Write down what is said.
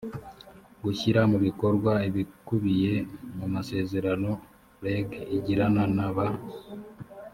gushyira mu bikorwa ibikubiye mu masezerano reg igirana na ba